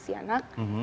seumur saya masih anak